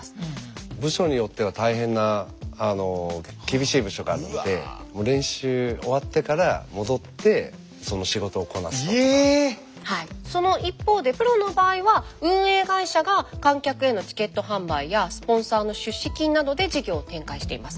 部署によっては大変な厳しい部署があるのでその一方でプロの場合は運営会社が観客へのチケット販売やスポンサーの出資金などで事業を展開しています。